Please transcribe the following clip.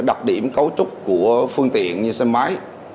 đặc điểm cấu trúc của phương tiện như xe máy